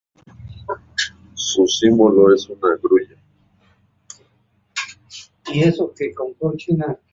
Su símbolo es una grulla.